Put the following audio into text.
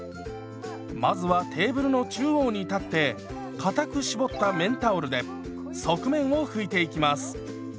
まずはテーブルの中央に立ってかたく絞った綿タオルで側面を拭いていきます。